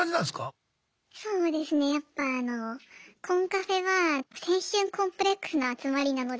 そうですねやっぱあのコンカフェは青春コンプレックスの集まりなので。